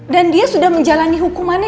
dan dia sudah menjalani hukumannya